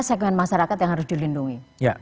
segmen masyarakat yang harus dilindungi